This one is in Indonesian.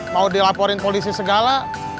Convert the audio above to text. mau dilaporin polisi segala